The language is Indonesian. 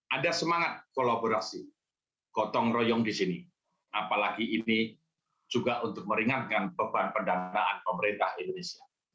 ada semangat kolaborasi gotong royong di sini apalagi ini juga untuk meringankan beban pendanaan pemerintah indonesia